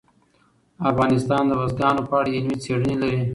افغانستان د بزګانو په اړه علمي څېړنې لري.